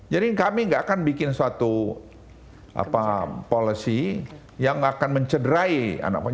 jadi kami nggak akan bikin suatu policy yang akan mencederai anak anak